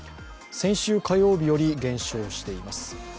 先週火曜日より減少しています。